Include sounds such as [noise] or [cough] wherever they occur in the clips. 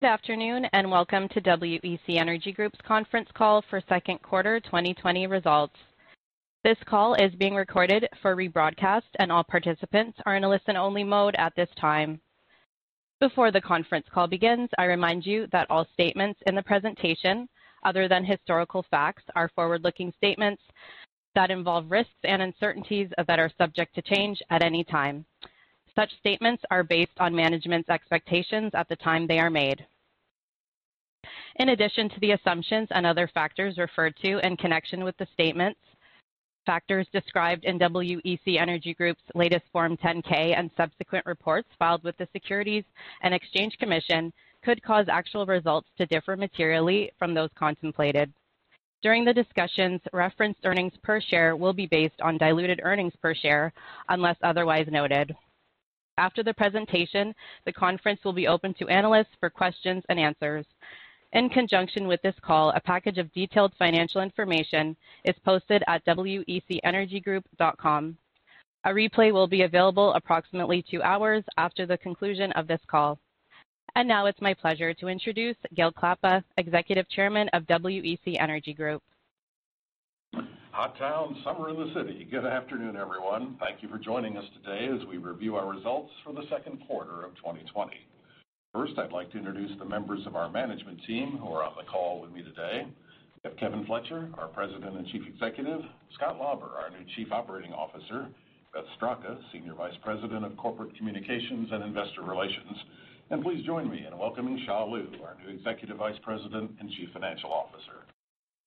Good afternoon, welcome to WEC Energy Group's conference call for second quarter 2020 results. This call is being recorded for rebroadcast, and all participants are in a listen-only mode at this time. Before the conference call begins, I remind you that all statements in the presentation, other than historical facts, are forward-looking statements that involve risks and uncertainties that are subject to change at any time. Such statements are based on management's expectations at the time they are made. In addition to the assumptions and other factors referred to in connection with the statements, factors described in WEC Energy Group's latest Form 10-K and subsequent reports filed with the Securities and Exchange Commission could cause actual results to differ materially from those contemplated. During the discussions, referenced earnings per share will be based on diluted earnings per share unless otherwise noted. After the presentation, the conference will be open to analysts for questions and answers. In conjunction with this call, a package of detailed financial information is posted at wecenergygroup.com. A replay will be available approximately two hours after the conclusion of this call. Now it's my pleasure to introduce Gale Klappa, Executive Chairman of WEC Energy Group. Hot town, summer in the city. Good afternoon, everyone. Thank you for joining us today as we review our results for the second quarter of 2020. First, I'd like to introduce the members of our management team who are on the call with me today. We have Kevin Fletcher, our President and Chief Executive, Scott Lauber, our new Chief Operating Officer, Beth Straka, Senior Vice President of Corporate Communications and Investor Relations. Please join me in welcoming Xia Liu, our new Executive Vice President and Chief Financial Officer.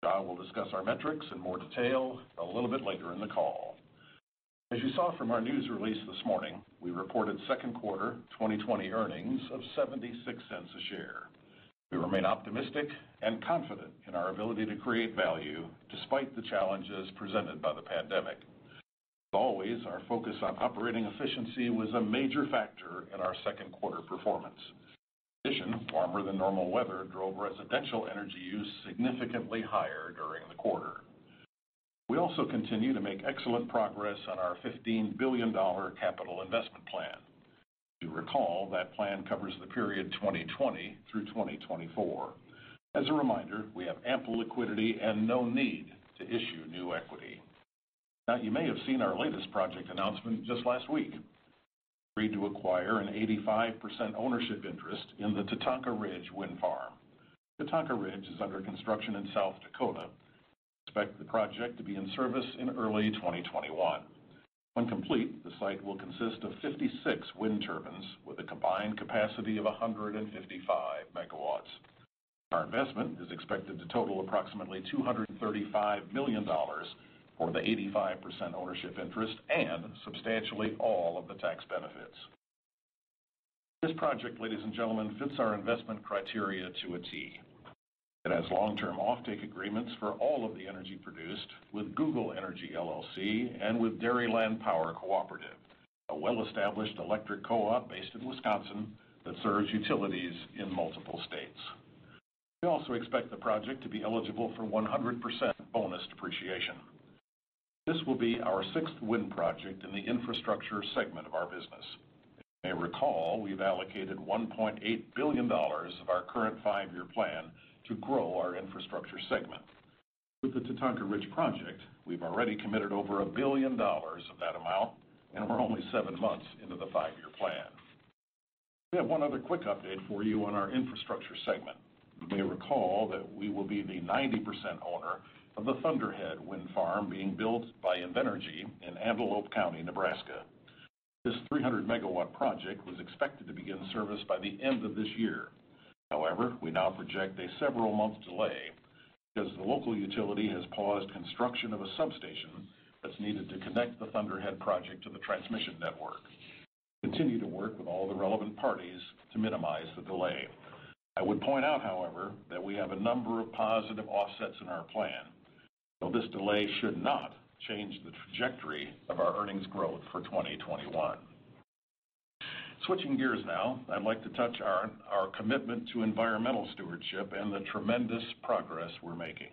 Xia will discuss our metrics in more detail a little bit later in the call. As you saw from our news release this morning, we reported second quarter 2020 earnings of $0.76 a share. We remain optimistic and confident in our ability to create value despite the challenges presented by the pandemic. As always, our focus on operating efficiency was a major factor in our second quarter performance. In addition, warmer-than-normal weather drove residential energy use significantly higher during the quarter. We also continue to make excellent progress on our $15 billion capital investment plan. You recall, that plan covers the period 2020 through 2024. As a reminder, we have ample liquidity and no need to issue new equity. Now, you may have seen our latest project announcement just last week. We agreed to acquire an 85% ownership interest in the Tatanka Ridge Wind Farm. Tatanka Ridge is under construction in South Dakota. We expect the project to be in service in early 2021. When complete, the site will consist of 56 wind turbines with a combined capacity of 155 MW. Our investment is expected to total approximately $235 million for the 85% ownership interest and substantially all of the tax benefits. This project, ladies and gentlemen, fits our investment criteria to a T. It has long-term offtake agreements for all of the energy produced with Google Energy LLC and with Dairyland Power Cooperative, a well-established electric co-op based in Wisconsin that serves utilities in multiple states. We also expect the project to be eligible for 100% bonus depreciation. This will be our sixth wind project in the infrastructure segment of our business. You may recall, we've allocated $1.8 billion of our current five-year plan to grow our infrastructure segment. With the Tatanka Ridge project, we've already committed over $1 billion of that amount, and we're only seven months into the five-year plan. We have one other quick update for you on our infrastructure segment. You may recall that we will be the 90% owner of the Thunderhead Wind Farm being built by Invenergy in Antelope County, Nebraska. This 300 MW project was expected to begin service by the end of this year. However, we now project a several-month delay because the local utility has paused construction of a substation that's needed to connect the Thunderhead project to the transmission network. We continue to work with all the relevant parties to minimize the delay. I would point out, however, that we have a number of positive offsets in our plan, so this delay should not change the trajectory of our earnings growth for 2021. Switching gears now, I'd like to touch on our commitment to environmental stewardship and the tremendous progress we're making.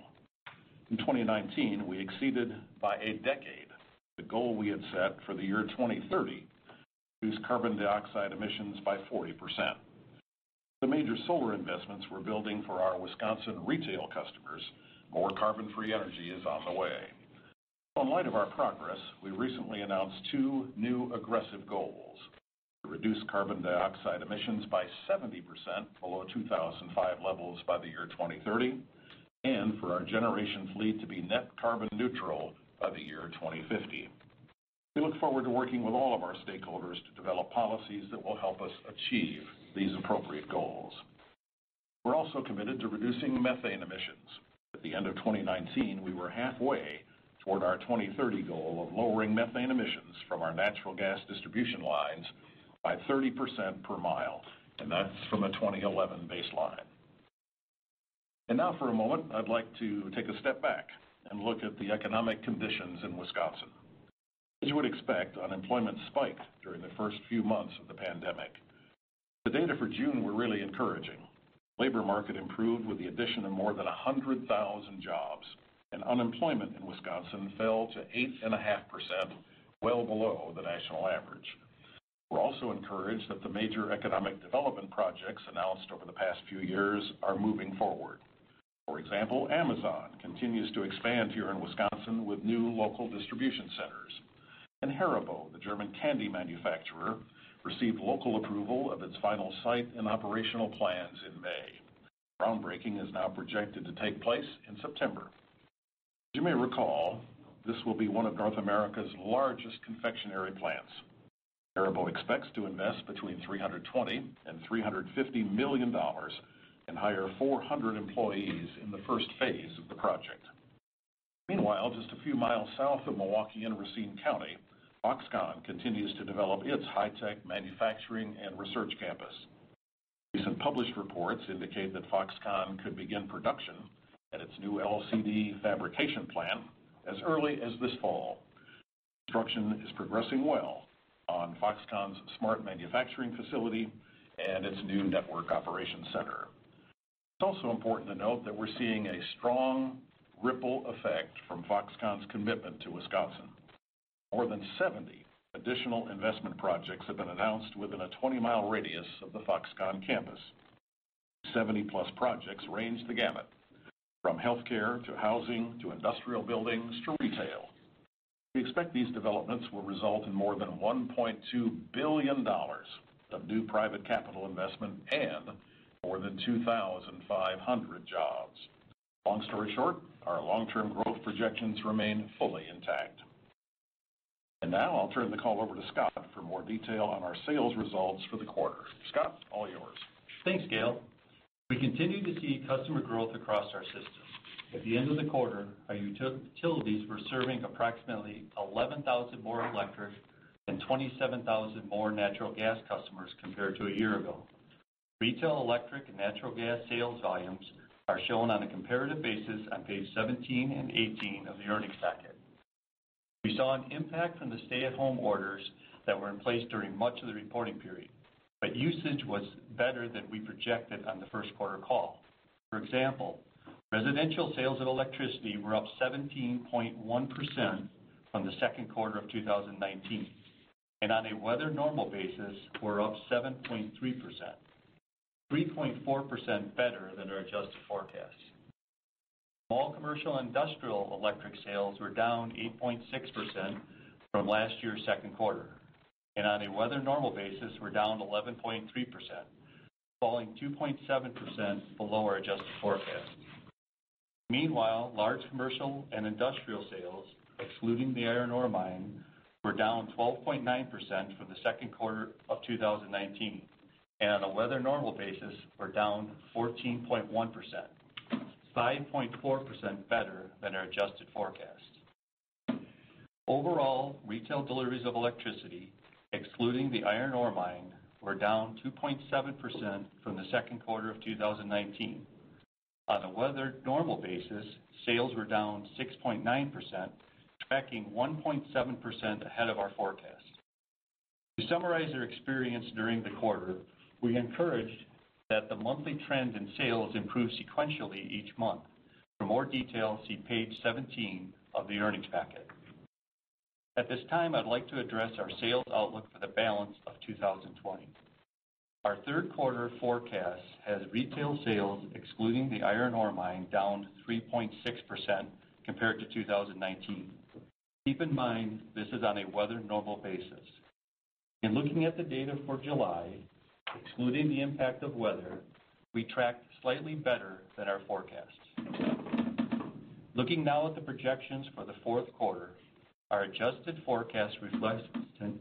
In 2019, we exceeded, by a decade, the goal we had set for the year 2030 to reduce carbon dioxide emissions by 40%. With the major solar investments we're building for our Wisconsin retail customers, more carbon-free energy is on the way. In light of our progress, we recently announced two new aggressive goals: to reduce carbon dioxide emissions by 70% below 2005 levels by the year 2030, and for our generations fleet to be net carbon neutral by the year 2050. We look forward to working with all of our stakeholders to develop policies that will help us achieve these appropriate goals. We're also committed to reducing methane emissions. At the end of 2019, we were halfway toward our 2030 goal of lowering methane emissions from our natural gas distribution lines by 30% per mile, and that's from a 2011 baseline. Now for a moment, I'd like to take a step back and look at the economic conditions in Wisconsin. As you would expect, unemployment spiked during the first few months of the pandemic. The data for June were really encouraging. The labor market improved with the addition of more than 100,000 jobs, unemployment in Wisconsin fell to 8.5%, well below the national average. We're also encouraged that the major economic development projects announced over the past few years are moving forward. For example, Amazon continues to expand here in Wisconsin with new local distribution centers. Haribo, the German candy manufacturer, received local approval of its final site and operational plans in May. Groundbreaking is now projected to take place in September. As you may recall, this will be one of North America's largest confectionery plants. Haribo expects to invest between $320 million and $350 million and hire 400 employees in the first phase of the project. Meanwhile, just a few miles south of Milwaukee and Racine County, Foxconn continues to develop its high-tech manufacturing and research campus. Recent published reports indicate that Foxconn could begin production at its new LCD fabrication plant as early as this fall. Construction is progressing well on Foxconn's smart manufacturing facility and its new network operations center. It's also important to note that we're seeing a strong ripple effect from Foxconn's commitment to Wisconsin. More than 70 additional investment projects have been announced within a 20-mile radius of the Foxconn campus. These 70+ projects range the gamut from healthcare to housing, to industrial buildings to retail. We expect these developments will result in more than $1.2 billion of new private capital investment and more than 2,500 jobs. Long story short, our long-term growth projections remain fully intact. Now I'll turn the call over to Scott for more detail on our sales results for the quarter. Scott, all yours. Thanks, Gale. We continue to see customer growth across our system. At the end of the quarter, our utilities were serving approximately 11,000 more electric and 27,000 more natural gas customers compared to a year ago. Retail electric and natural gas sales volumes are shown on a comparative basis on page 17 and 18 of the earnings packet. We saw an impact from the stay-at-home orders that were in place during much of the reporting period, but usage was better than we projected on the first quarter call. For example, residential sales of electricity were up 17.1% from the second quarter of 2019, and on a weather-normal basis were up 7.3%, 3.4% better than our adjusted forecast. Small commercial industrial electric sales were down 8.6% from last year's second quarter, and on a weather-normal basis were down 11.3%, falling 2.7% below our adjusted forecast. Meanwhile, large commercial and industrial sales, excluding the iron ore mine, were down 12.9% from the second quarter of 2019 and on a weather-normal basis were down 14.1%, 5.4% better than our adjusted forecast. Overall, retail deliveries of electricity, excluding the iron ore mine, were down 2.7% from the second quarter of 2019. On a weather-normal basis, sales were down 6.9%, tracking 1.7% ahead of our forecast. To summarize our experience during the quarter, we're encouraged that the monthly trend in sales improved sequentially each month. For more details, see page 17 of the earnings packet. At this time, I'd like to address our sales outlook for the balance of 2020. Our third quarter forecast has retail sales, excluding the iron ore mine, down 3.6% compared to 2019. Keep in mind, this is on a weather-normal basis. In looking at the data for July, excluding the impact of weather, we tracked slightly better than our forecast. Looking now at the projections for the fourth quarter, our adjusted forecast reflects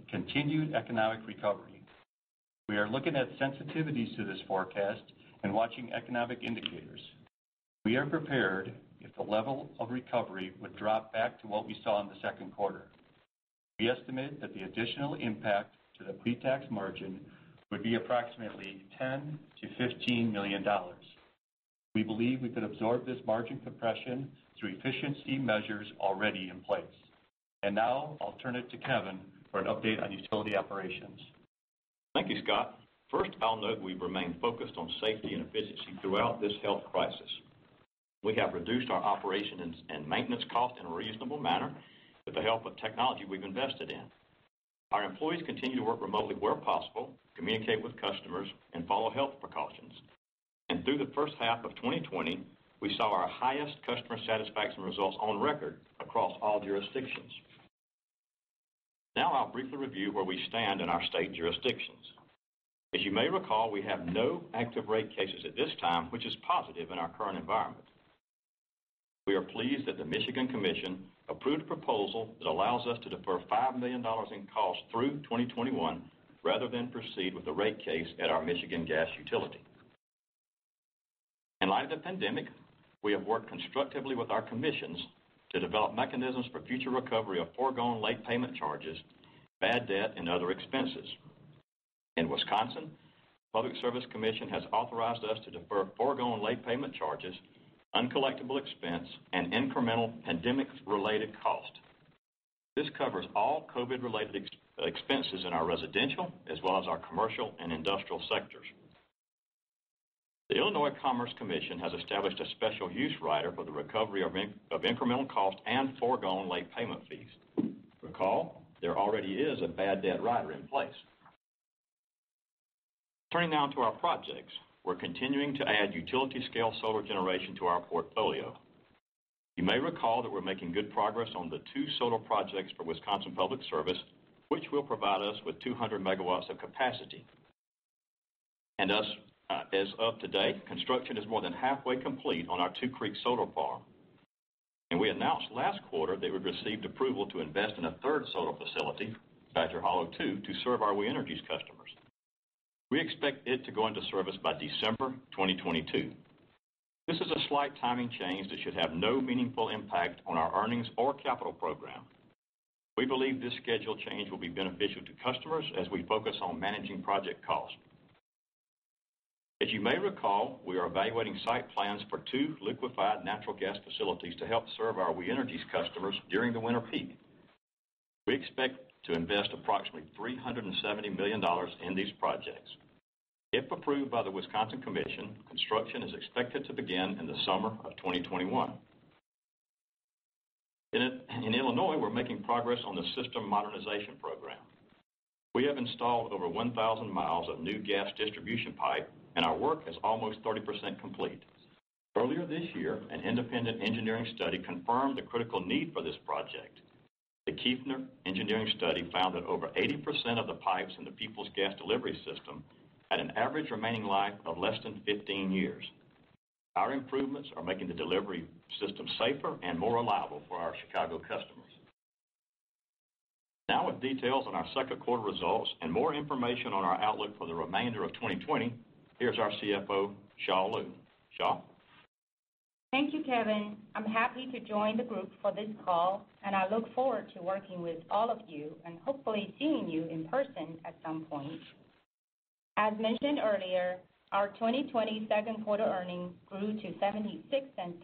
continued economic recovery. We are looking at sensitivities to this forecast and watching economic indicators. We are prepared if the level of recovery would drop back to what we saw in the second quarter. We estimate that the additional impact to the pre-tax margin would be approximately $10 million-$15 million. We believe we could absorb this margin compression through efficiency measures already in place. Now I'll turn it to Kevin for an update on utility operations. Thank you, Scott. First, I'll note we've remained focused on safety and efficiency throughout this health crisis. We have reduced our operation and maintenance cost in a reasonable manner with the help of technology we've invested in. Our employees continue to work remotely where possible, communicate with customers, and follow health precautions. Through the first half of 2020, we saw our highest customer satisfaction results on record across all jurisdictions. Now I'll briefly review where we stand in our state jurisdictions. As you may recall, we have no active rate cases at this time, which is positive in our current environment. We are pleased that the Michigan Commission approved a proposal that allows us to defer $5 million in costs through 2021 rather than proceed with a rate case at our Michigan gas utility. In light of the pandemic, we have worked constructively with our commissions to develop mechanisms for future recovery of foregone late payment charges, bad debt, and other expenses. In Wisconsin, Public Service Commission has authorized us to defer foregone late payment charges, uncollectible expense, and incremental pandemic-related cost. This covers all COVID-related expenses in our residential as well as our commercial and industrial sectors. The Illinois Commerce Commission has established a special use rider for the recovery of incremental costs and foregone late payment fees. Recall, there already is a bad debt rider in place. Turning now to our projects. We're continuing to add utility-scale solar generation to our portfolio. You may recall that we're making good progress on the two solar projects for Wisconsin Public Service, which will provide us with 200 MW of capacity. As of to date, construction is more than halfway complete on our Two Creeks Solar Park. We announced last quarter that we've received approval to invest in a third solar facility, Badger Hollow 2, to serve our We Energies customers. We expect it to go into service by December 2022. This is a slight timing change that should have no meaningful impact on our earnings or capital program. We believe this schedule change will be beneficial to customers as we focus on managing project costs. As you may recall, we are evaluating site plans for two liquefied natural gas facilities to help serve our We Energies customers during the winter peak. We expect to invest approximately $370 million in these projects. If approved by the Wisconsin Commission, construction is expected to begin in the summer of 2021. In Illinois, we're making progress on the System Modernization Program. We have installed over 1,000 miles of new gas distribution pipe, and our work is almost 30% complete. Earlier this year, an independent engineering study confirmed the critical need for this project. The Kiefner engineering study found that over 80% of the pipes in the People's Gas delivery system had an average remaining life of less than 15 years. Our improvements are making the delivery system safer and more reliable for our Chicago customers. With details on our second quarter results and more information on our outlook for the remainder of 2020, here's our CFO, Xia Liu. Xia? Thank you, Kevin. I'm happy to join the group for this call, and I look forward to working with all of you and hopefully seeing you in person at some point. As mentioned earlier, our 2020 second quarter earnings grew to $0.76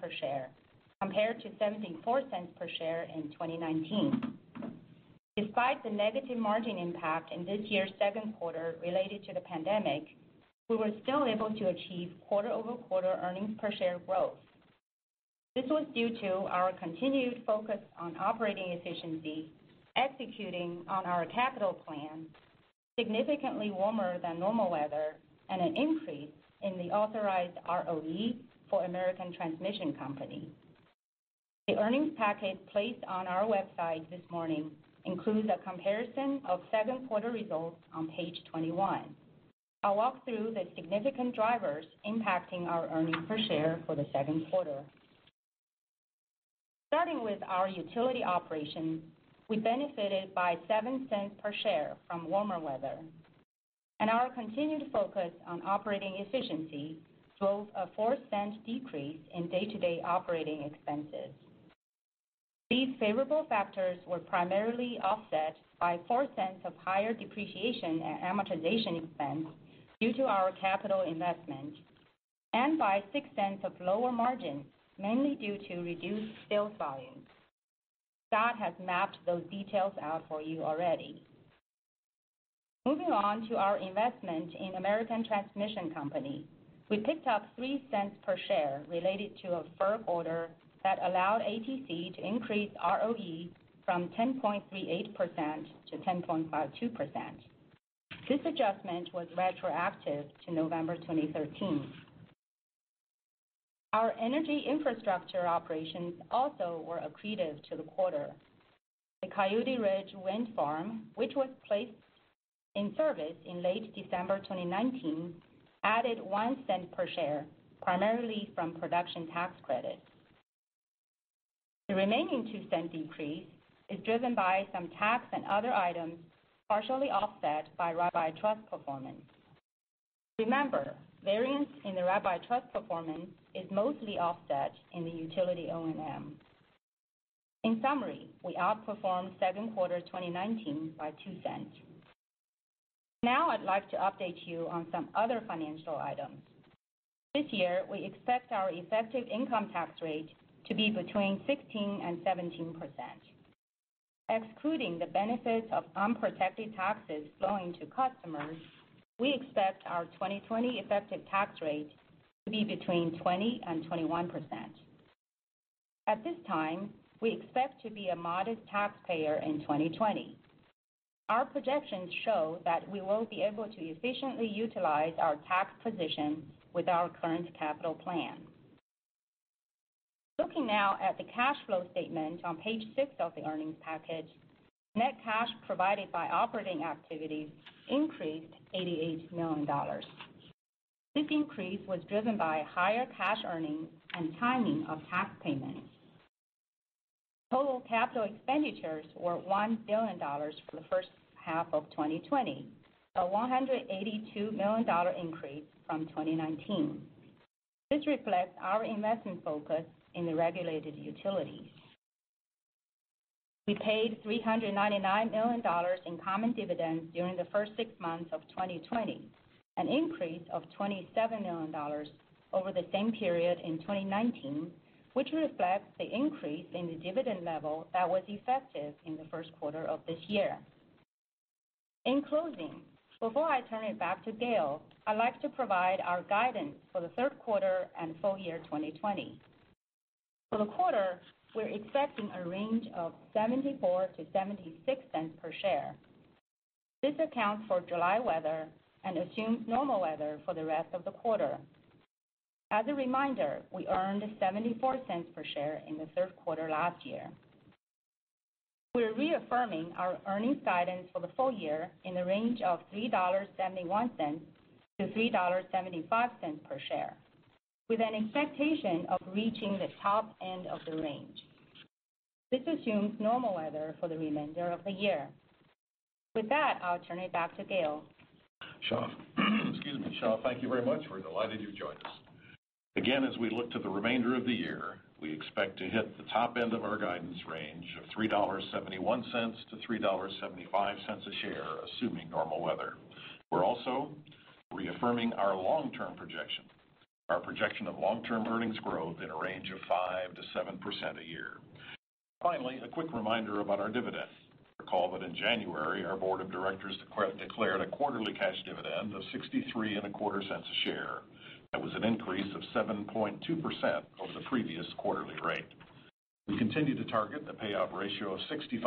per share compared to $0.74 per share in 2019. Despite the negative margin impact in this year's second quarter related to the pandemic, we were still able to achieve quarter-over-quarter earnings per share growth. This was due to our continued focus on operating efficiency, executing on our capital plan, significantly warmer-than-normal weather, and an increase in the authorized ROE for American Transmission Company. The earnings package placed on our website this morning includes a comparison of second quarter results on page 21. I'll walk through the significant drivers impacting our earnings per share for the second quarter. Starting with our utility operations, we benefited by $0.07 per share from warmer weather, and our continued focus on operating efficiency drove a $0.04 decrease in day-to-day operating expenses. These favorable factors were primarily offset by $0.04 of higher depreciation and amortization expense due to our capital investment, and by $0.06 of lower margin, mainly due to reduced sales volume. Scott has mapped those details out for you already. Moving on to our investment in American Transmission Company. We picked up $0.03 per share related to a FERC order that allowed ATC to increase ROE from 10.38% to 10.52%. This adjustment was retroactive to November 2013. Our energy infrastructure operations also were accretive to the quarter. The Coyote Ridge Wind Farm, which was placed in service in late December 2019, added $0.01 per share, primarily from production tax credits. The remaining $0.02 decrease is driven by some tax and other items partially offset by rabbi trust performance. Remember, variance in the rabbi trust performance is mostly offset in the utility O&M. In summary, we outperformed second quarter 2019 by $0.02. I'd like to update you on some other financial items. This year, we expect our effective income tax rate to be between 16% and 17%. Excluding the benefits of unprotected taxes flowing to customers, we expect our 2020 effective tax rate to be between 20% and 21%. At this time, we expect to be a modest taxpayer in 2020. Our projections show that we won't be able to efficiently utilize our tax position with our current capital plan. Looking now at the cash flow statement on page six of the earnings package, net cash provided by operating activities increased $88 million. This increase was driven by higher cash earnings and timing of tax payments. Total capital expenditures were $1 billion for the first half of 2020, a $182 million increase from 2019. This reflects our investment focus in the regulated utilities. We paid $399 million in common dividends during the first six months of 2020, an increase of $27 million over the same period in 2019, which reflects the increase in the dividend level that was effective in the first quarter of this year. In closing, before I turn it back to Gale, I'd like to provide our guidance for the third quarter and full year 2020. For the quarter, we're expecting a range of $0.74-$0.76 per share. This accounts for July weather and assumes normal weather for the rest of the quarter. As a reminder, we earned $0.74 per share in the third quarter last year. We're reaffirming our earnings guidance for the full year in the range of $3.71-$3.75 per share, with an expectation of reaching the top end of the range. This assumes normal weather for the remainder of the year. With that, I'll turn it back to Gale. Xia, thank you very much. We're delighted you joined us. As we look to the remainder of the year, we expect to hit the top end of our guidance range of $3.71-$3.75 a share, assuming normal weather. We're also reaffirming our long-term projection, our projection of long-term earnings growth in a range of 5%-7% a year. A quick reminder about our dividends. You'll recall that in January, our Board of Directors declared a quarterly cash dividend of $0.6325 a share. That was an increase of 7.2% over the previous quarterly rate. We continue to target the payout ratio of 65%-70%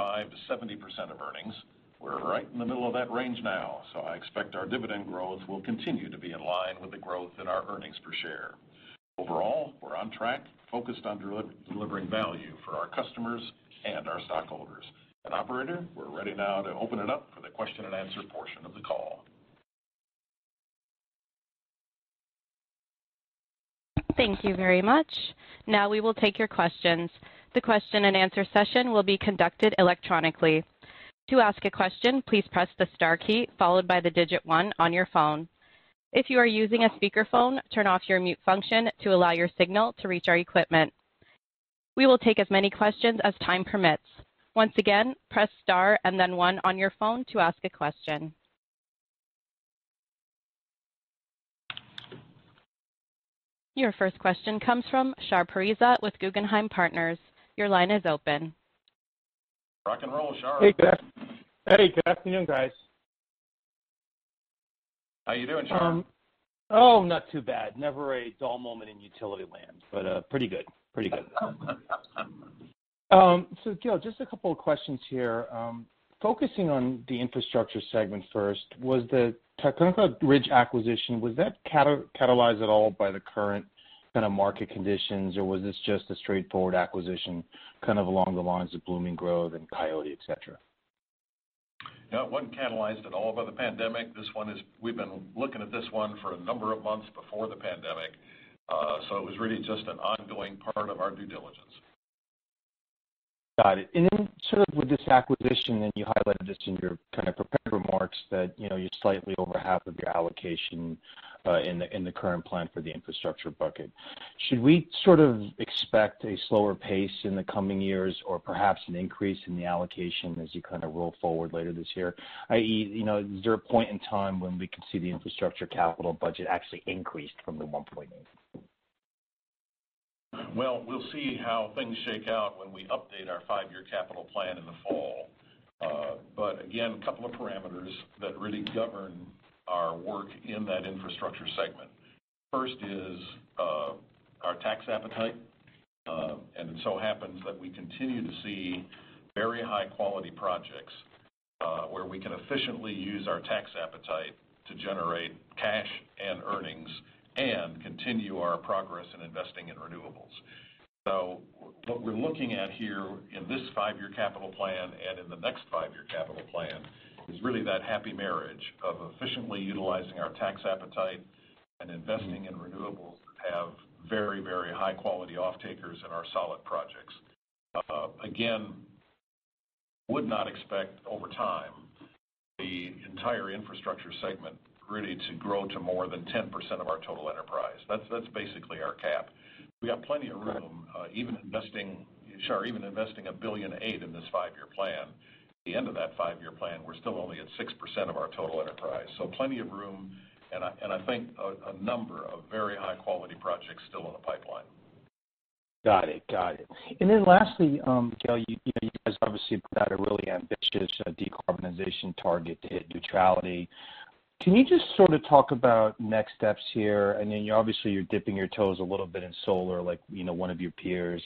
of earnings. We're right in the middle of that range now. I expect our dividend growth will continue to be in line with the growth in our earnings per share. Overall, we're on track, focused on delivering value for our customers and our stockholders. Operator, we're ready now to open it up for the question-and-answer portion of the call. Thank you very much. Now we will take your questions. The question-and-answer session will be conducted electronically. To ask a question, please press the star key followed by the digit one on your phone. If you are using a speakerphone, turn off your mute function to allow your signal to reach our equipment. We will take as many questions as time permits. Once again, press star and then one on your phone to ask a question. Your first question comes from Shar Pourreza with Guggenheim Partners. Your line is open. Rock and roll, Shar. Hey, Gale. Hey, good afternoon, guys. How you doing, Shar? Oh, not too bad. Never a dull moment in utility land, but, pretty good. Pretty good. Gale, just a couple of questions here. Focusing on the infrastructure segment first, was the Tatanka Ridge acquisition, was that catalyzed at all by the current kind of market conditions, or was this just a straightforward acquisition kind of along the lines of Blooming Grove and Coyote, et cetera? No, it wasn't catalyzed at all by the pandemic. We've been looking at this one for a number of months before the pandemic. It was really just an ongoing part of our due diligence. Got it. Sort of with this acquisition, and you highlighted this in your kind of prepared remarks, that you're slightly over half of your allocation, in the current plan for the infrastructure bucket. Should we sort of expect a slower pace in the coming years or perhaps an increase in the allocation as you kind of roll forward later this year, i.e., is there a point in time when we could see the infrastructure capital budget actually increased from the $1.8 billion? We'll see how things shake out when we update our five-year capital plan in the fall. Again, a couple of parameters that really govern our work in that infrastructure segment. First is our tax appetite. It so happens that we continue to see very high-quality projects, where we can efficiently use our tax appetite to generate cash and earnings and continue our progress in investing in renewables. What we're looking at here in this five-year capital plan and in the next five-year capital plan is really that happy marriage of efficiently utilizing our tax appetite and investing in renewables that have very high-quality offtakers in our solid projects. Again, would not expect over time the entire infrastructure segment really to grow to more than 10% of our total enterprise. That's basically our cap. We got plenty of room, Shar, even investing $1.8 billion in this five-year plan. At the end of that five-year plan, we're still only at 6% of our total enterprise, so plenty of room, and I think a number of very high-quality projects still in the pipeline. Got it. Lastly, Gale, you guys obviously put out a really ambitious decarbonization target to hit neutrality. Can you just sort of talk about next steps here? Obviously you're dipping your toes a little bit in solar, like one of your peers.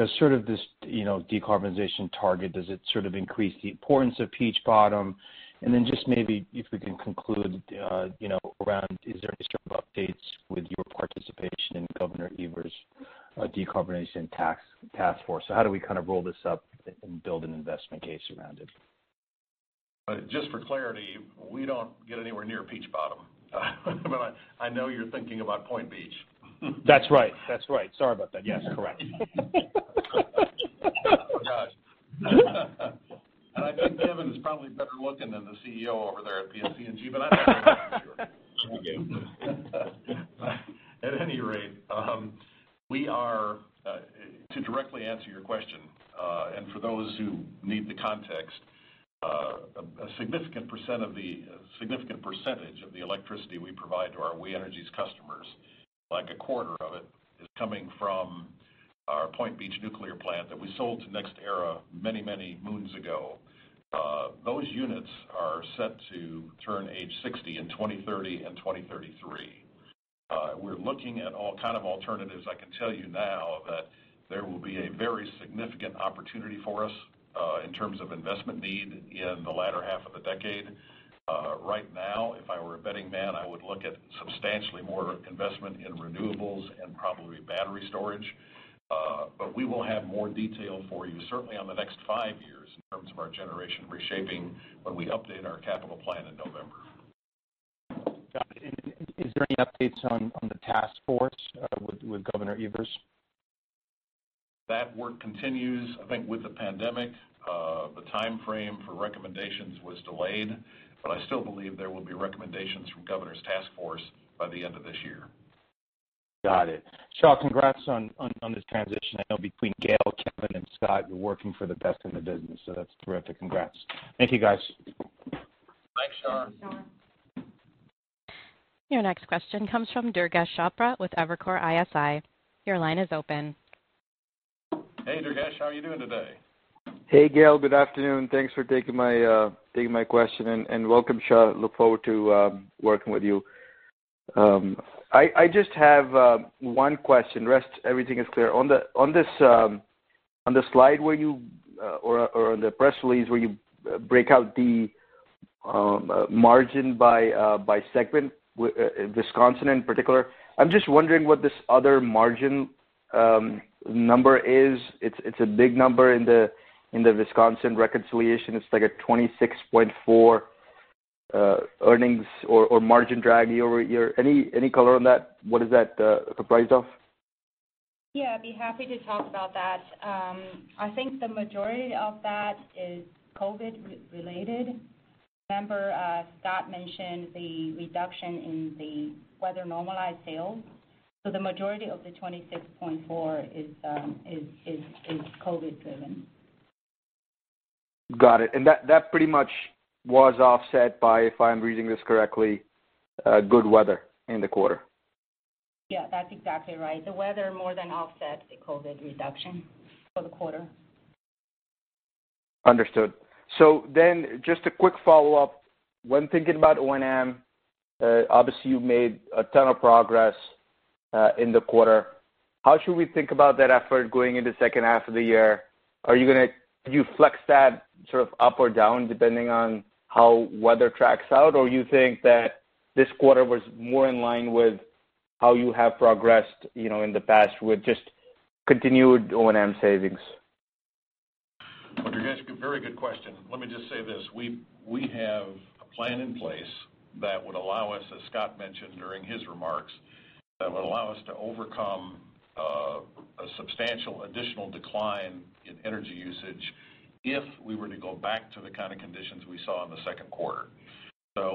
Does sort of this decarbonization target, does it sort of increase the importance of Peach Bottom? Just maybe if we can conclude around is there any sort of updates with your participation in Governor Evers' Decarbonization Task Force? How do we kind of roll this up and build an investment case around it? Just for clarity, we don't get anywhere near Peach Bottom. I know you're thinking about Point Beach. That's right. Sorry about that. Yes, correct. Oh, gosh. I think Kevin is probably better looking than the CEO over there at PSEG. Thank you, Gale. At any rate, to directly answer your question, and for those who need the context, a significant percentage of the electricity we provide to our We Energies customers, like a quarter of it, is coming from our Point Beach nuclear plant that we sold to NextEra many, many moons ago, those units are set to turn age 60 in 2030 and 2033. We're looking at all kind of alternatives. I can tell you now that there will be a very significant opportunity for us, in terms of investment need in the latter half of the decade. Right now, if I were a betting man, I would look at substantially more investment in renewables and probably battery storage. We will have more detail for you certainly on the next five years in terms of our generation reshaping when we update our capital plan in November. Got it. Is there any updates on the Task Force with Governor Evers? That work continues. I think with the pandemic, the timeframe for recommendations was delayed, but I still believe there will be recommendations from Governor's Task Force by the end of this year. Got it. Xia, congrats on this transition. I know between Gale, Kevin, and Scott, you're working for the best in the business, so that's terrific. Congrats. Thank you, guys. Thanks, Shar. Thanks, Shar. Your next question comes from Durgesh Chopra with Evercore ISI. Your line is open. Hey, Durgesh. How are you doing today? Hey, Gale. Good afternoon. Thanks for taking my question, and welcome, Xia. Look forward to working with you. I just have one question. Rest, everything is clear. On the press release where you break out the margin by segment, Wisconsin in particular, I'm just wondering what this other margin number is. It's a big number in the Wisconsin reconciliation. It's like a 26.4 earnings or margin drag year-over-year. Any color on that? What is that comprised of? Yeah, I'd be happy to talk about that. I think the majority of that is COVID-related. Remember, Scott mentioned the reduction in the weather-normalized sales. The majority of the 26.4 is COVID-driven. Got it. That pretty much was offset by, if I'm reading this correctly, good weather in the quarter. Yeah, that's exactly right. The weather more than offset the COVID reduction for the quarter. Understood. Just a quick follow-up. When thinking about O&M, obviously you've made a ton of progress in the quarter. How should we think about that effort going into second half of the year? Are you going to flex that sort of up or down depending on how weather tracks out, or you think that this quarter was more in line with how you have progressed in the past with just continued O&M savings? Well, Durgesh, a very good question. Let me just say this. We have a plan in place that would allow us, as Scott mentioned during his remarks, that would allow us to overcome a substantial additional decline in energy usage if we were to go back to the kind of conditions we saw in the second quarter.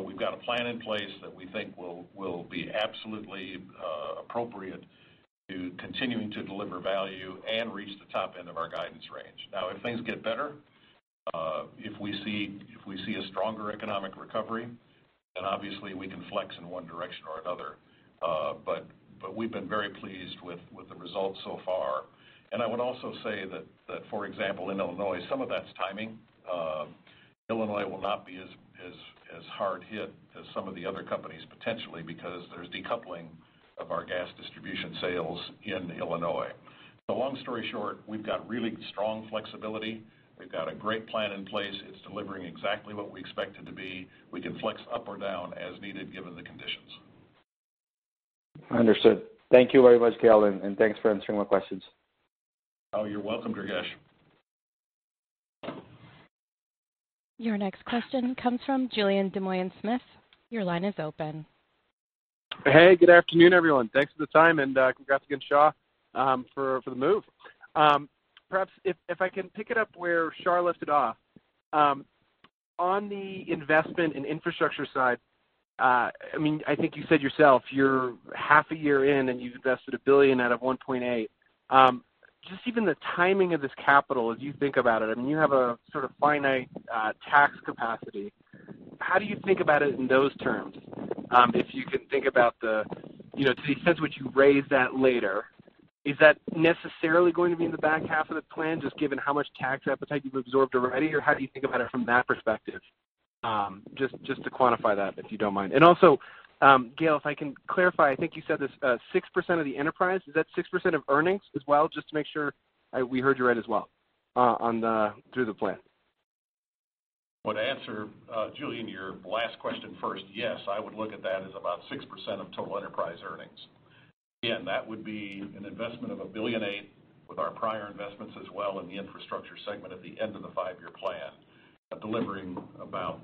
We've got a plan in place that we think will be absolutely appropriate to continuing to deliver value and reach the top end of our guidance range. Now, if things get better, if we see a stronger economic recovery, obviously we can flex in one direction or another. We've been very pleased with the results so far. I would also say that, for example, in Illinois, some of that's timing. Illinois will not be as hard hit as some of the other companies potentially because there's decoupling of our gas distribution sales in Illinois. Long story short, we've got really strong flexibility. We've got a great plan in place. It's delivering exactly what we expect it to be. We can flex up or down as needed given the conditions. Understood. Thank you very much, Gale, and thanks for answering my questions. Oh, you're welcome, Durgesh. Your next question comes from Julien Dumoulin-Smith. Your line is open. Hey, good afternoon, everyone. Thanks for the time, and congrats again, Xia, for the move. Perhaps if I can pick it up where Shar left it off. On the investment and infrastructure side, I think you said yourself you're half a year in and you've invested $1 billion out of $1.8 billion. Just even the timing of this capital as you think about it, you have a sort of finite tax capacity. How do you think about it in those terms? If you can think about to the extent which you raise that later, is that necessarily going to be in the back half of the plan, just given how much tax appetite you've absorbed already, or how do you think about it from that perspective? Just to quantify that, if you don't mind. Also, Gale, if I can clarify, I think you said this 6% of the enterprise, is that 6% of earnings as well, just to make sure we heard you right as well through the plan? Would answer, Julien, your last question first. Yes, I would look at that as about 6% of total enterprise earnings. That would be an investment of $1.8 billion with our prior investments as well in the infrastructure segment at the end of the five-year plan, delivering about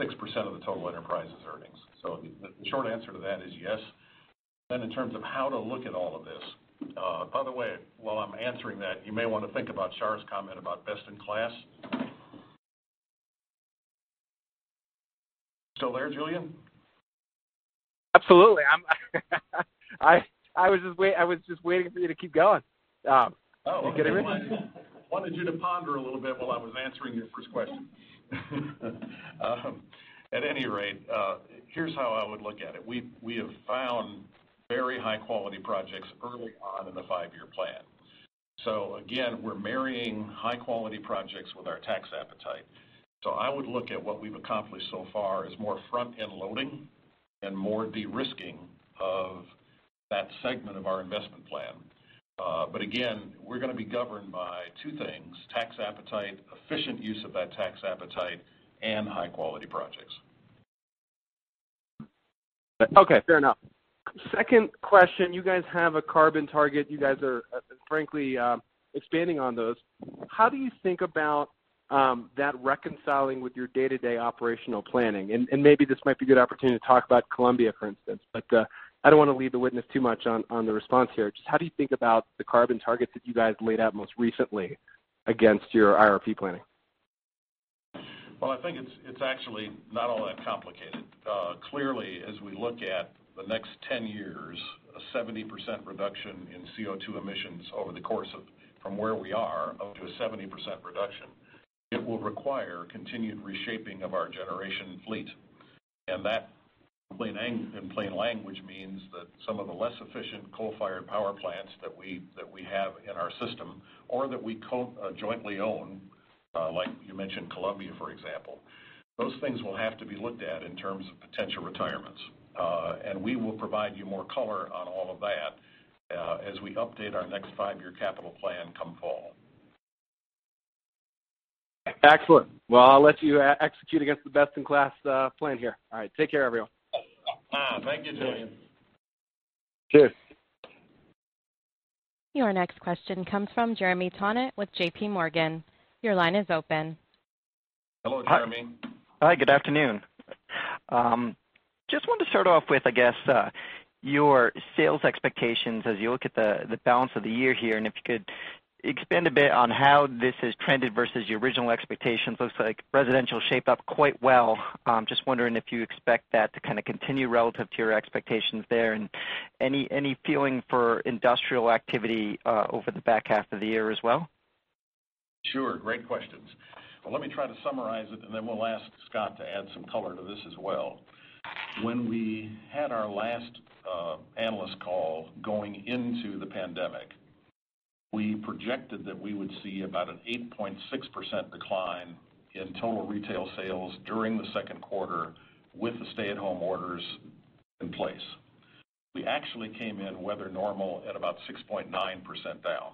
6% of the total enterprise's earnings. The short answer to that is yes. In terms of how to look at all of this, by the way, while I'm answering that, you may want to think about Shar's comment about best in class. Still there, Julien? Absolutely. I was just waiting for you to keep going. Oh, okay. Wanted you to ponder a little bit while I was answering your first question. At any rate, here's how I would look at it. We have found very high-quality projects early on in the five-year plan. Again, we're marrying high-quality projects with our tax appetite. I would look at what we've accomplished so far as more front-end loading and more de-risking of that segment of our investment plan. Again, we're going to be governed by two things, tax appetite, efficient use of that tax appetite, and high-quality projects. Okay, fair enough. Second question, you guys have a carbon target. You guys are frankly expanding on those. How do you think about that reconciling with your day-to-day operational planning? Maybe this might be a good opportunity to talk about Columbia, for instance. I don't want to lead the witness too much on the response here. Just how do you think about the carbon targets that you guys laid out most recently against your IRP planning? Well, I think it's actually not all that complicated. Clearly, as we look at the next 10 years, a 70% reduction in CO2 emissions over the course of from where we are up to a 70% reduction, it will require continued reshaping of our generation fleet. That in plain language means that some of the less efficient coal-fired power plants that we have in our system or that we jointly own, like you mentioned Columbia, for example, those things will have to be looked at in terms of potential retirements. We will provide you more color on all of that as we update our next five-year capital plan come fall. Excellent. Well, I'll let you execute against the best-in-class plan here. All right. Take care, everyone. Thank you, Julien. Cheers. Your next question comes from Jeremy Tonet with JPMorgan. Your line is open. Hello, Jeremy. Hi, good afternoon. Just wanted to start off with, I guess, your sales expectations as you look at the balance of the year here, and if you could expand a bit on how this has trended versus your original expectations. Looks like residential shaped up quite well. Just wondering if you expect that to kind of continue relative to your expectations there and any feeling for industrial activity over the back half of the year as well? Sure. Great questions. Let me try to summarize it, and then we'll ask Scott to add some color to this as well. When we had our last analyst call going into the pandemic, we projected that we would see about an 8.6% decline in total retail sales during the second quarter with the stay-at-home orders in place. We actually came in weather normal at about 6.9% down.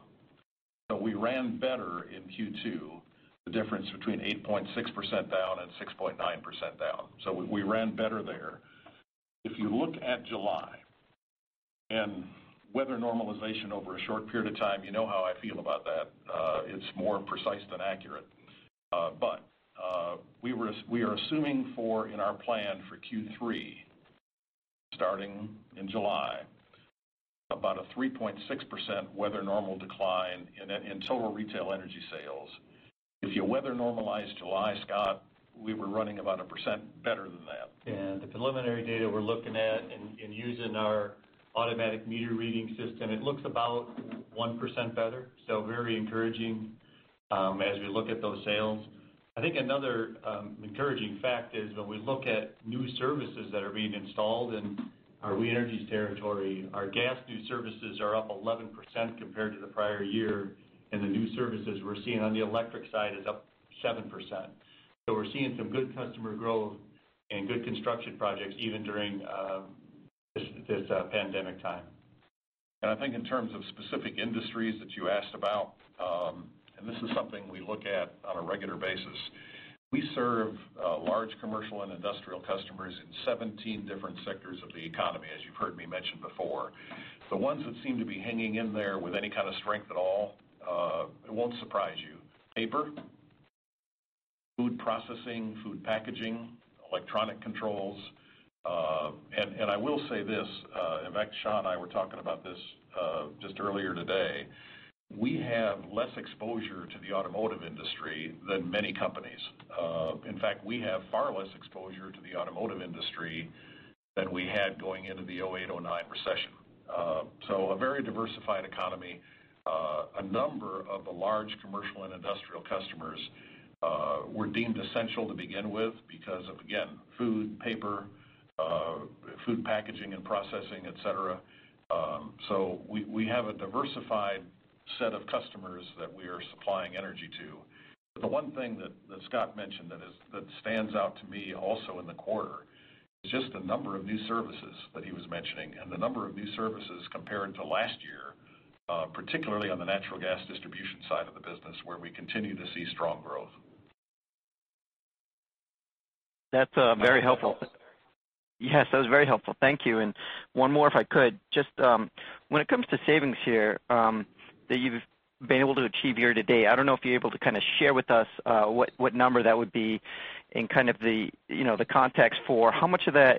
We ran better in Q2, the difference between 8.6% down and 6.9% down, so we ran better there. If you look at July and weather normalization over a short period of time, you know how I feel about that. It's more precise than accurate. We are assuming for in our plan for Q3, starting in July, about a 3.6% weather-normal decline in total retail energy sales. If you weather normalize July, Scott, we were running about 1% better than that. The preliminary data we're looking at and using our automatic meter reading system, it looks about 1% better. Very encouraging as we look at those sales. I think another encouraging fact is when we look at new services that are being installed in our We Energies territory, our gas new services are up 11% compared to the prior year, and the new services we're seeing on the electric side is up 7%. We're seeing some good customer growth and good construction projects even during this pandemic time. I think in terms of specific industries that you asked about, this is something we look at on a regular basis. We serve large commercial and industrial customers in 17 different sectors of the economy, as you've heard me mention before. The ones that seem to be hanging in there with any kind of strength at all, it won't surprise you, paper, food processing, food packaging, electronic controls. I will say this, in fact, Xia and I were talking about this just earlier today. We have less exposure to the automotive industry than many companies. In fact, we have far less exposure to the automotive industry than we had going into the 2008, 2009 recession. A very diversified economy. A number of the large commercial and industrial customers were deemed essential to begin with because of, again, food, paper, food packaging and processing, et cetera. We have a diversified set of customers that we are supplying energy to. The one thing that Scott mentioned that stands out to me also in the quarter is just the number of new services that he was mentioning and the number of new services compared to last year, particularly on the natural gas distribution side of the business where we continue to see strong growth. That's very helpful. Yes, that was very helpful. Thank you. One more if I could. Just when it comes to savings here, that you've been able to achieve year to date, I don't know if you're able to kind of share with us what number that would be in kind of the context for how much of that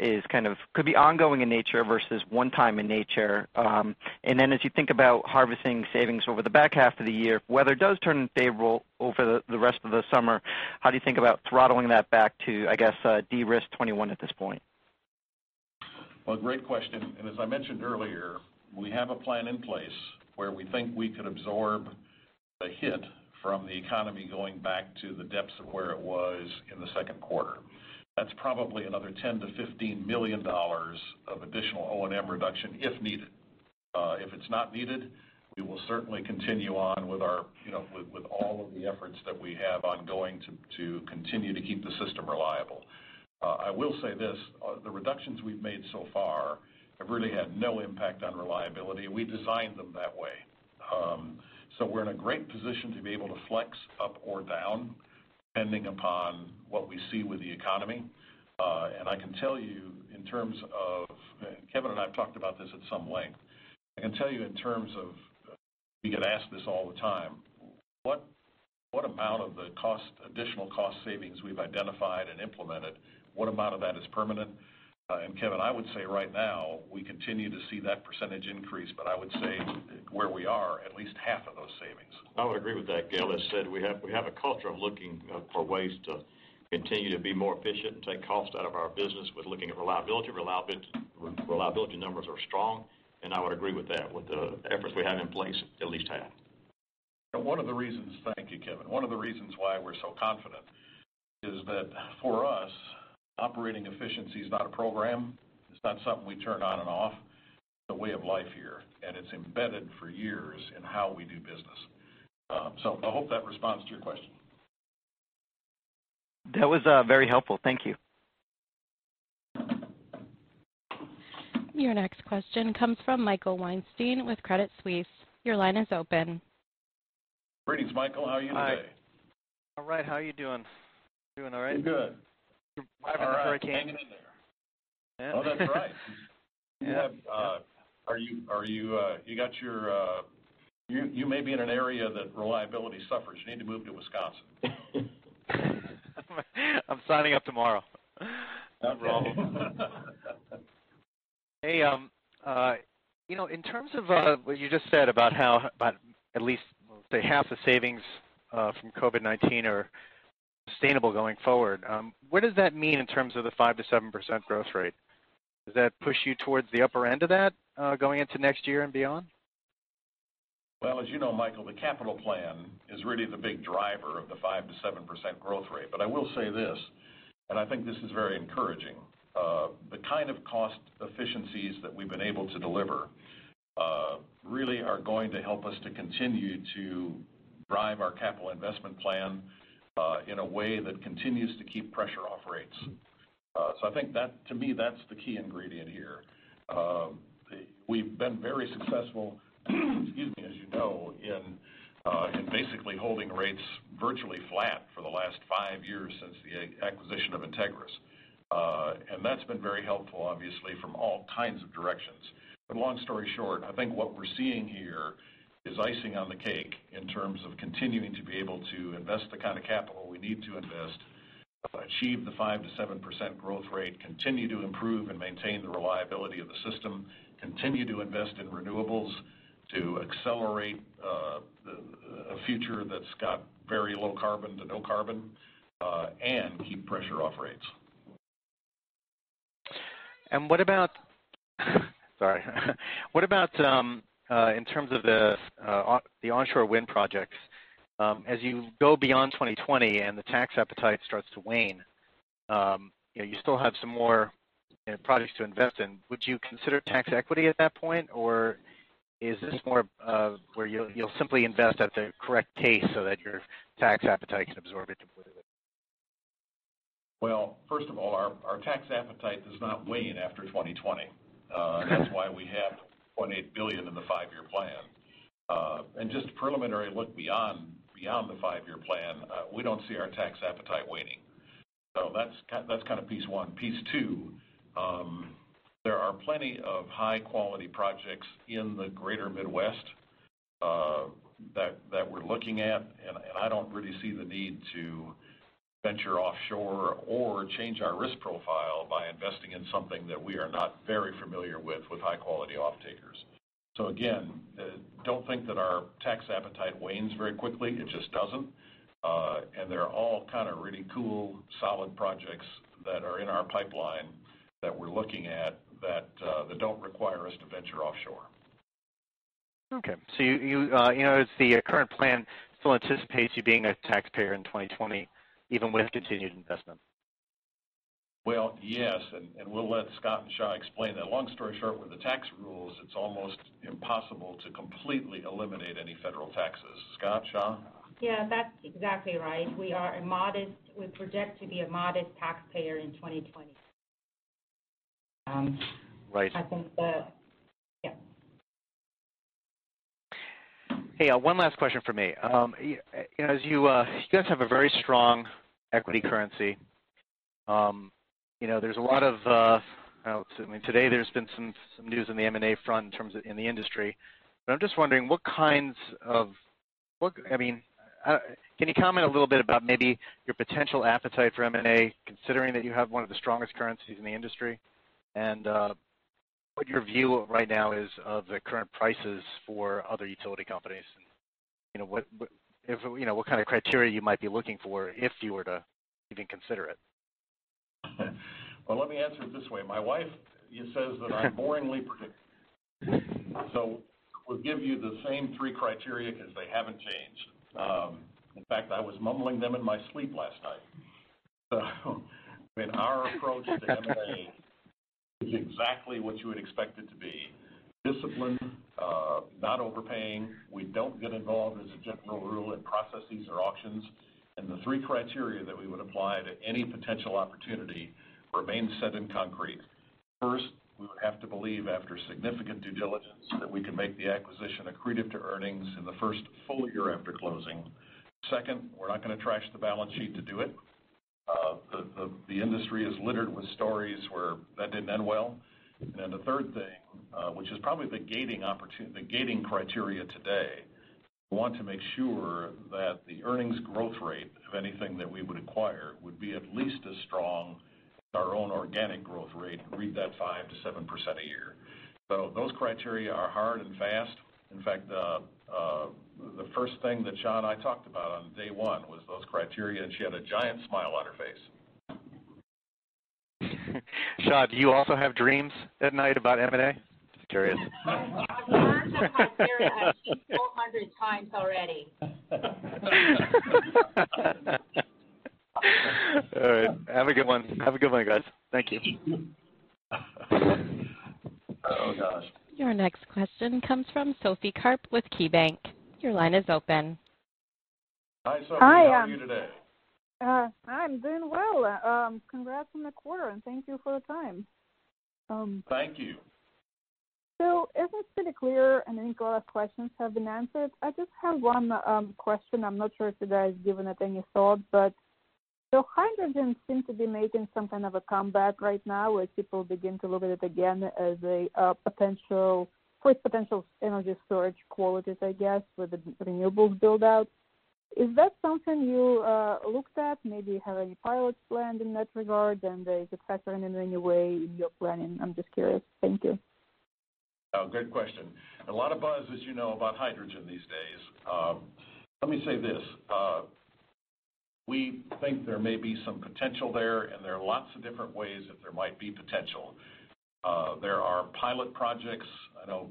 could be ongoing in nature versus one time in nature. Then as you think about harvesting savings over the back half of the year, weather does turn favorable over the rest of the summer. How do you think about throttling that back to, I guess, de-risk 2021 at this point? Well, great question. As I mentioned earlier, we have a plan in place where we think we could absorb the hit from the economy going back to the depths of where it was in the second quarter. That's probably another $10 million-$15 million of additional O&M reduction, if needed. If it's not needed, we will certainly continue on with all of the efforts that we have ongoing to continue to keep the system reliable. I will say this: the reductions we've made so far have really had no impact on reliability. We designed them that way. We're in a great position to be able to flex up or down depending upon what we see with the economy. Kevin and I have talked about this at some length. I can tell you in terms of, we get asked this all the time, what amount of the additional cost savings we've identified and implemented, what amount of that is permanent? Kevin, I would say right now, we continue to see that percentage increase, but I would say where we are, at least half of those savings. I would agree with that, Gale. As said, we have a culture of looking for ways to continue to be more efficient and take costs out of our business with looking at reliability. Reliability numbers are strong, and I would agree with that. With the efforts we have in place, at least half. Thank you, Kevin. One of the reasons why we're so confident is that for us, operating efficiency is not a program. It's not something we turn on and off. It's a way of life here, and it's embedded for years in how we do business. I hope that responds to your question. That was very helpful. Thank you. Your next question comes from Michael Weinstein with Credit Suisse. Your line is open. Greetings, Michael. How are you today? Hi. All right, how are you doing? Doing all right? Good. Having a hurricane. That's right. Yeah. You may be in an area that reliability suffers. You need to move to Wisconsin. I'm signing up tomorrow. Hey, in terms of what you just said about how at least, say, half the savings from COVID-19 are sustainable going forward, what does that mean in terms of the 5%-7% growth rate? Does that push you towards the upper end of that going into next year and beyond? As you know, Michael, the capital plan is really the big driver of the 5%-7% growth rate. I will say this, and I think this is very encouraging. The kind of cost efficiencies that we've been able to deliver really are going to help us to continue to drive our capital investment plan in a way that continues to keep pressure off rates. I think to me, that's the key ingredient here. We've been very successful, excuse me, as you know, in basically holding rates virtually flat for the last five years since the acquisition of Integrys. That's been very helpful, obviously, from all kinds of directions. Long story short, I think what we're seeing here is icing on the cake in terms of continuing to be able to invest the kind of capital we need to invest to achieve the 5%-7% growth rate, continue to improve and maintain the reliability of the system, continue to invest in renewables to accelerate a future that's got very low carbon to no carbon, and keep pressure off rates. What about, sorry. What about in terms of the onshore wind projects? As you go beyond 2020 and the tax appetite starts to wane, you still have some more projects to invest in. Would you consider tax equity at that point, or is this more of where you'll simply invest at the correct pace so that your tax appetite can absorb it completely? Well, first of all, our tax appetite does not wane after 2020. That's why we have $1.8 billion in the five-year plan. Just a preliminary look beyond the five-year plan, we don't see our tax appetite waning. That's kind of piece one. Piece two, there are plenty of high-quality projects in the Greater Midwest that we're looking at, and I don't really see the need to venture offshore or change our risk profile by investing in something that we are not very familiar with high-quality off-takers. Again, don't think that our tax appetite wanes very quickly. It just doesn't. They're all kind of really cool, solid projects that are in our pipeline that we're looking at that don't require us to venture offshore. Okay. As the current plan still anticipates you being a taxpayer in 2020 even with continued investment. Well, yes, and we'll let Scott and Xia explain that. Long story short, with the tax rules, it's almost impossible to completely eliminate any federal taxes. Scott, Xia? Yeah, that's exactly right. We project to be a modest taxpayer in 2020. Right. I think that [inaudible] Hey, one last question from me. You guys have a very strong equity currency. Today, there's been some news on the M&A front in the industry, but I'm just wondering, can you comment a little bit about maybe your potential appetite for M&A, considering that you have one of the strongest currencies in the industry, and what your view right now is of the current prices for other utility companies? What kind of criteria you might be looking for if you were to even consider it? Well, let me answer it this way. My wife says that I'm boringly predictable. We'll give you the same three criteria because they haven't changed. In fact, I was mumbling them in my sleep last night. Our approach to M&A is exactly what you would expect it to be. Discipline, not overpaying. We don't get involved, as a general rule, in processes or auctions, and the three criteria that we would apply to any potential opportunity remain set in concrete. First, we would have to believe, after significant due diligence, that we can make the acquisition accretive to earnings in the first full year after closing. Second, we're not going to trash the balance sheet to do it. The industry is littered with stories where that didn't end well. The third thing, which is probably the gating criteria today, we want to make sure that the earnings growth rate of anything that we would acquire would be at least as strong as our own organic growth rate. Read that 5%-7% a year. Those criteria are hard and fast. In fact, the first thing that Xia and I talked about on day one was those criteria, and she had a giant smile on her face. Xia, do you also have dreams at night about M&A? Curious. I've heard that criteria at least 400 times already. All right. Have a good one. Have a good one, guys. Thank you. Oh, gosh. Your next question comes from Sophie Karp with KeyBanc. Your line is open. Hi, Sophie. Hi. How are you today? I'm doing well. Congrats on the quarter. Thank you for the time. Thank you. Everything's pretty clear and any quarter questions have been answered. I just have one question. I'm not sure if you guys have given it any thought, but hydrogen seems to be making some kind of a comeback right now, where people begin to look at it again as potential energy storage qualities, I guess, with the renewables build-out. Is that something you looked at, maybe have any pilots planned in that regard, and does it factor in in any way in your planning? I'm just curious. Thank you. Oh, good question. A lot of buzz, as you know, about hydrogen these days. Let me say this. We think there may be some potential there, and there are lots of different ways that there might be potential. There are pilot projects. I know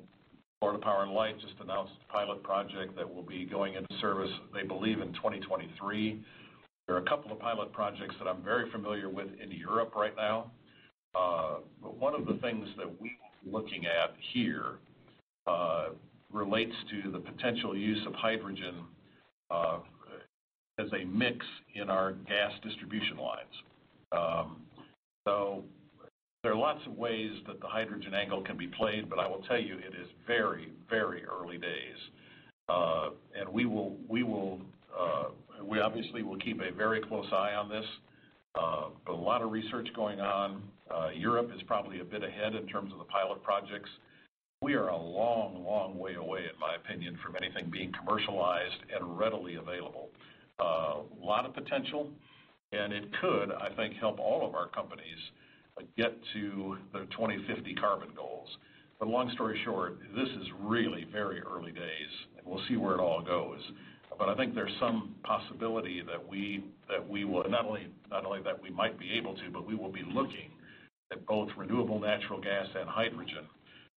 Florida Power & Light just announced a pilot project that will be going into service, they believe, in 2023. There are a couple of pilot projects that I'm very familiar with in Europe right now. One of the things that we are looking at here relates to the potential use of hydrogen, as a mix in our gas distribution lines. There are lots of ways that the hydrogen angle can be played, but I will tell you, it is very early days. We obviously will keep a very close eye on this. A lot of research going on. Europe is probably a bit ahead in terms of the pilot projects. We are a long way away, in my opinion, from anything being commercialized and readily available. A lot of potential, and it could, I think, help all of our companies get to their 2050 carbon goals. Long story short, this is really very early days, and we'll see where it all goes. I think there's some possibility that we will, not only that we might be able to, but we will be looking at both renewable natural gas and hydrogen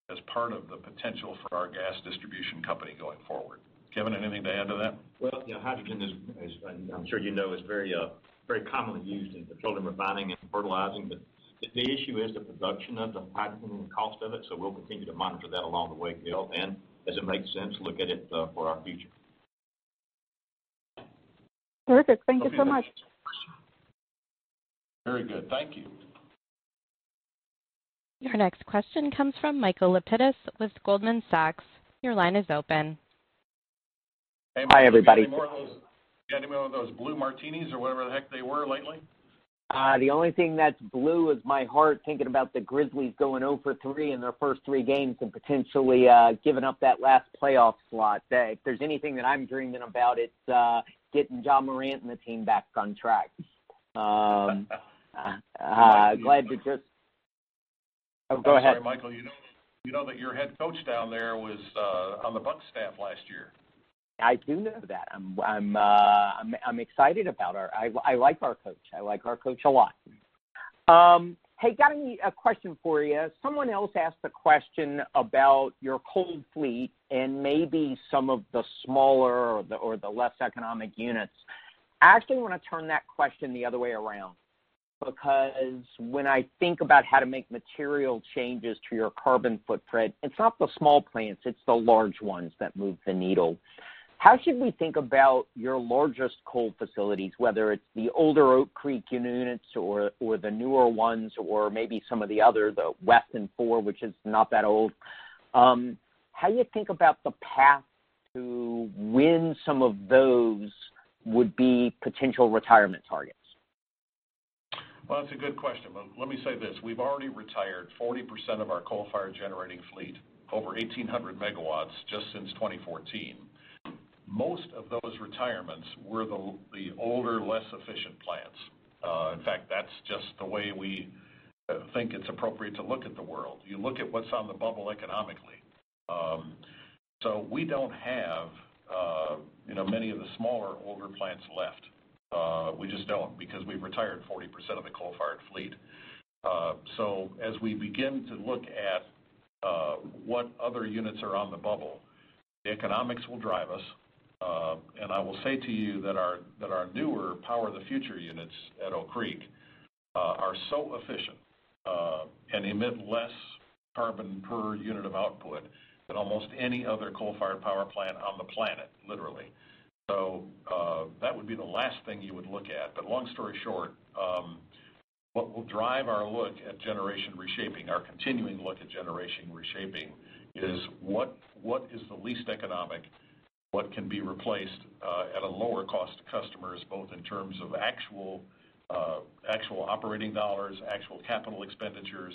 as part of the potential for our gas distribution company going forward. Kevin, anything to add to that? Well, hydrogen is, I'm sure you know, is very commonly used in petroleum refining and fertilizing. The issue is the production of the hydrogen and the cost of it, so we'll continue to monitor that along the way, Gale, and as it makes sense, look at it for our future. Perfect. Thank you so much. Very good. Thank you. Your next question comes from Michael Lapides with Goldman Sachs. Your line is open. Hi, everybody. Hey, Michael, have you had any more of those blue martinis or whatever the heck they were lately? The only thing that's blue is my heart thinking about the Grizzlies going O for three in their first three games and potentially giving up that last playoff slot. If there's anything that I'm dreaming about, it's getting Ja Morant and the team back on track. Oh, go ahead. I'm sorry, Michael. You know that your head coach down there was on the Bucks staff last year. I do know that. I like our coach. I like our coach a lot. Hey, got a question for you. Someone else asked a question about your coal fleet and maybe some of the smaller or the less economic units. I actually want to turn that question the other way around, because when I think about how to make material changes to your carbon footprint, it's not the small plants, it's the large ones that move the needle. How should we think about your largest coal facilities, whether it's the older Oak Creek units or the newer ones, or maybe some of the other, the Weston 4, which is not that old? How do you think about the path to when some of those would be potential retirement targets? Well, that's a good question. Let me say this: We've already retired 40% of our coal-fired generating fleet, over 1,800 MW, just since 2014. Most of those retirements were the older, less efficient plants. In fact, that's just the way I think it's appropriate to look at the world. You look at what's on the bubble economically. We don't have many of the smaller, older plants left. We just don't, because we've retired 40% of the coal-fired fleet. As we begin to look at what other units are on the bubble, the economics will drive us. I will say to you that our newer Power the Future units at Oak Creek are so efficient and emit less carbon per unit of output than almost any other coal-fired power plant on the planet, literally. That would be the last thing you would look at. Long story short, what will drive our look at generation reshaping, our continuing look at generation reshaping is what is the least economic, what can be replaced at a lower cost to customers, both in terms of actual operating dollars, actual capital expenditures,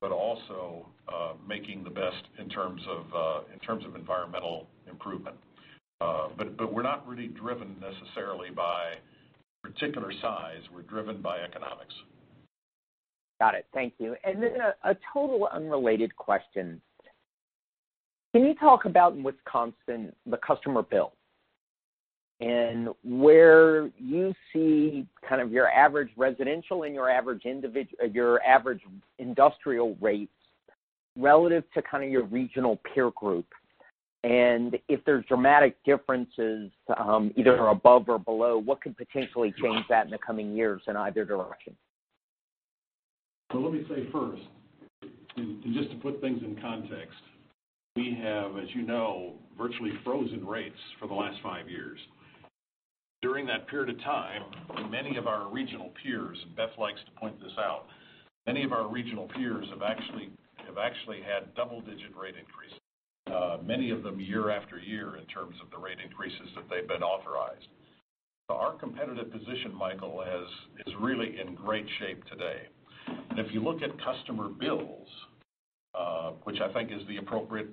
but also making the best in terms of environmental improvement. We're not really driven necessarily by particular size. We're driven by economics. Got it. Thank you. A total unrelated question. Can you talk about in Wisconsin, the customer bill? Where you see your average residential and your average industrial rates relative to your regional peer group. If there's dramatic differences, either above or below, what could potentially change that in the coming years in either direction? Let me say first, just to put things in context, we have, as you know, virtually frozen rates for the last five years. During that period of time, many of our regional peers, and Beth likes to point this out, many of our regional peers have actually had double-digit rate increases. Many of them year after year in terms of the rate increases that they've been authorized. Our competitive position, Michael, is really in great shape today. If you look at customer bills, which I think is the appropriate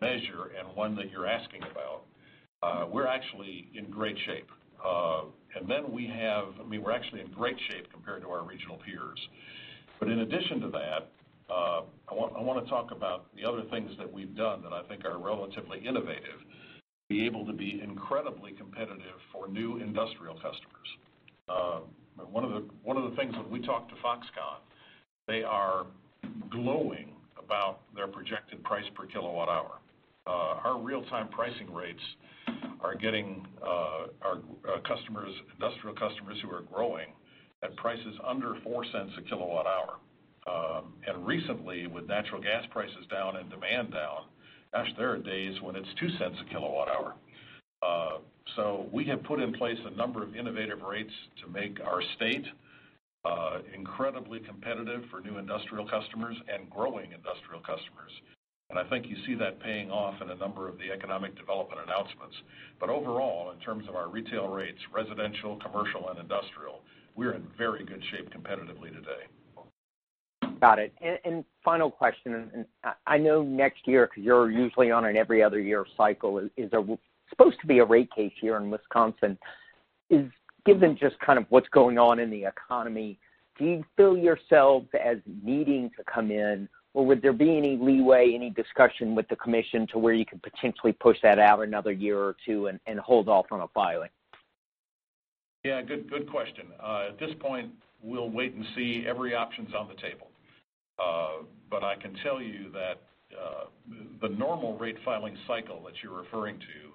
measure and one that you're asking about, we're actually in great shape. I mean, we're actually in great shape compared to our regional peers. In addition to that, I want to talk about the other things that we've done that I think are relatively innovative to be able to be incredibly competitive for new industrial customers. One of the things when we talked to Foxconn, they are glowing about their projected price per kilowatt-hour. Our real-time pricing rates are getting our industrial customers who are growing at prices under $0.04 a kilowatt-hour. Recently, with natural gas prices down and demand down, gosh, there are days when it's $0.02 a kilowatt-hour. We have put in place a number of innovative rates to make our state incredibly competitive for new industrial customers and growing industrial customers. I think you see that paying off in a number of the economic development announcements. Overall, in terms of our retail rates, residential, commercial, and industrial, we're in very good shape competitively today. Got it. Final question, I know next year, because you're usually on an every other year cycle is supposed to be a rate case here in Wisconsin. Given just what's going on in the economy, do you feel yourselves as needing to come in or would there be any leeway, any discussion with the Commission to where you could potentially push that out another year or two and hold off on a filing? Yeah, good question. At this point, we'll wait and see. Every option's on the table. I can tell you that the normal rate filing cycle that you're referring to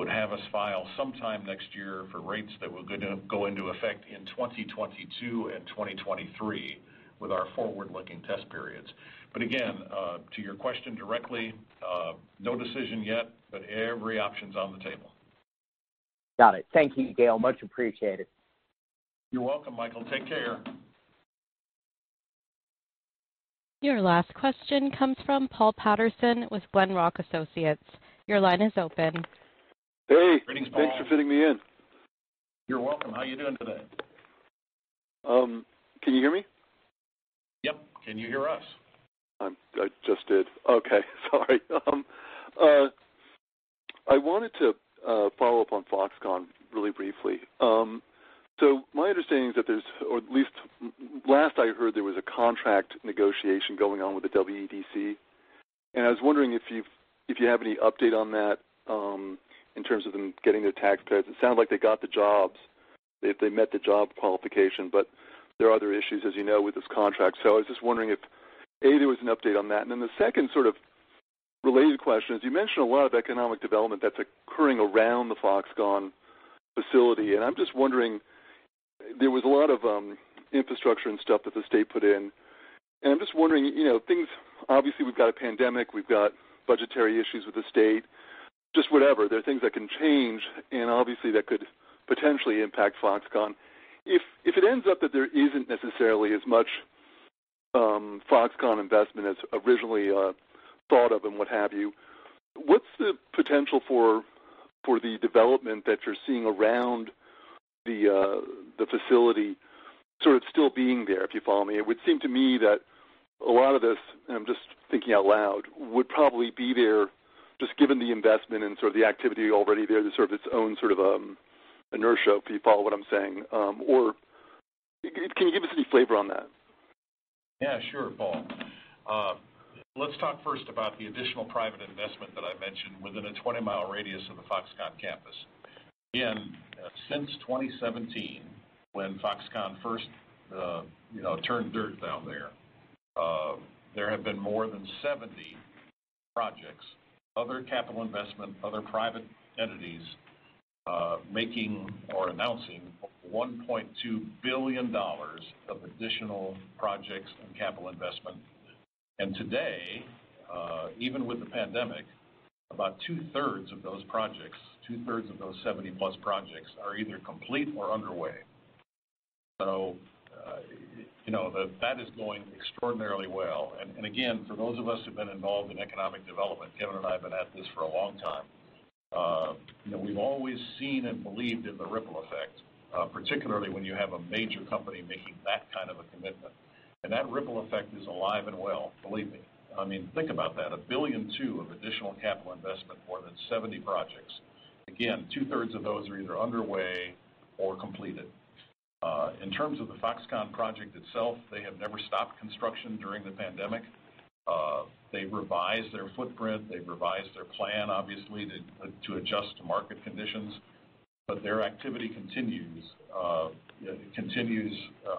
would have us file sometime next year for rates that would go into effect in 2022 and 2023 with our forward-looking test periods. Again, to your question directly, no decision yet, but every option's on the table. Got it. Thank you, Gale. Much appreciated. You're welcome, Michael. Take care. Your last question comes from Paul Patterson with Glenrock Associates. Your line is open. Hey. Greetings, Paul. Thanks for fitting me in. You're welcome. How are you doing today? Can you hear me? Yep. Can you hear us? I just did. Okay. Sorry. I wanted to follow up on Foxconn really briefly. My understanding is that there's, or at least last I heard, there was a contract negotiation going on with the WEDC, and I was wondering if you have any update on that in terms of them getting their tax credits. It sounded like they got the jobs, if they met the job qualification. There are other issues, as you know, with this contract. I was just wondering if, A, there was an update on that. The second sort of related question is, you mentioned a lot of economic development that's occurring around the Foxconn facility, and I'm just wondering, there was a lot of infrastructure and stuff that the state put in, and I'm just wondering, obviously we've got a pandemic, we've got budgetary issues with the state, just whatever, there are things that can change and obviously that could potentially impact Foxconn. If it ends up that there isn't necessarily as much Foxconn investment as originally thought of and what have you, what's the potential for the development that you're seeing around the facility sort of still being there, if you follow me? It would seem to me that a lot of this, and I'm just thinking out loud, would probably be there just given the investment and sort of the activity already there to serve its own sort of inertia, if you follow what I'm saying. Can you give us any flavor on that? Sure, Paul. Let's talk first about the additional private investment that I mentioned within a 20-mile radius of the Foxconn campus. Again, since 2017, when Foxconn first turned dirt down there have been more than 70 projects, other capital investment, other private entities, making or announcing $1.2 billion of additional projects and capital investment. Today, even with the pandemic, about two-thirds of those projects, two-thirds of those 70+ projects, are either complete or underway. That is going extraordinarily well. Again, for those of us who've been involved in economic development, Kevin and I have been at this for a long time, we've always seen and believed in the ripple effect, particularly when you have a major company making that kind of a commitment. That ripple effect is alive and well, believe me. Think about that, $1.2 billion of additional capital investment, more than 70 projects. Again, two-thirds of those are either underway or completed. In terms of the Foxconn project itself, they have never stopped construction during the pandemic. They revised their footprint, they revised their plan, obviously, to adjust to market conditions, their activity continues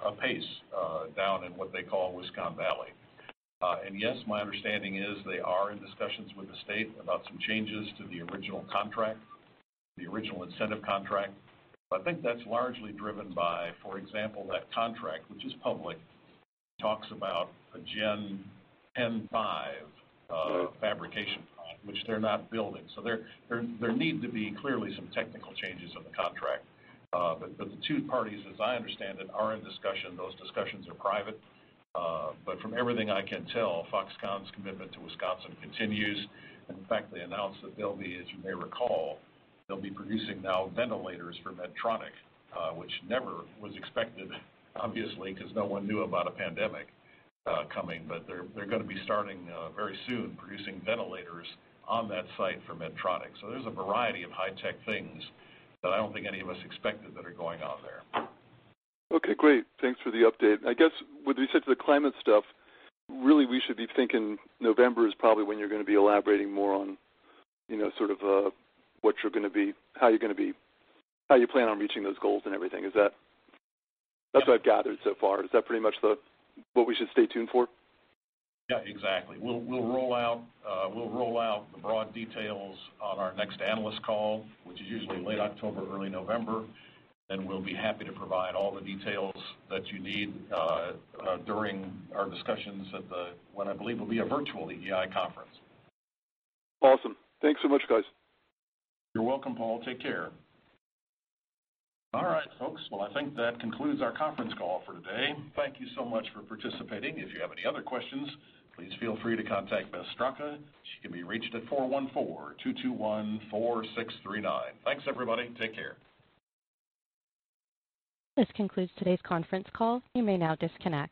apace down in what they call Wisconn Valley. Yes, my understanding is they are in discussions with the state about some changes to the original contract, the original incentive contract. I think that's largely driven by, for example, that contract, which is public, talks about a Gen 10.5 fabrication plant, which they're not building. There need to be clearly some technical changes in the contract. The two parties, as I understand it, are in discussion. Those discussions are private. From everything I can tell, Foxconn's commitment to Wisconsin continues. In fact, they announced that they'll be, as you may recall, they'll be producing now ventilators for Medtronic, which never was expected, obviously, because no one knew about a pandemic coming. They're going to be starting very soon producing ventilators on that site for Medtronic. There's a variety of high-tech things that I don't think any of us expected that are going on there. Okay, great. Thanks for the update. I guess with respect to the climate stuff, really we should be thinking November is probably when you're going to be elaborating more on how you plan on reaching those goals and everything. That's what I've gathered so far. Is that pretty much what we should stay tuned for? Yeah, exactly. We'll roll out the broad details on our next analyst call, which is usually late October, early November, and we'll be happy to provide all the details that you need during our discussions at the, what I believe will be, a virtual EEI conference. Awesome. Thanks so much, guys. You're welcome, Paul. Take care. All right, folks, well, I think that concludes our conference call for today. Thank you so much for participating. If you have any other questions, please feel free to contact Beth Straka. She can be reached at 414-221-4639. Thanks, everybody. Take care. This concludes today's conference call. You may now disconnect.